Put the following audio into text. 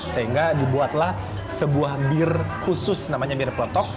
sehingga dibuatlah sebuah bir khusus namanya bir peletok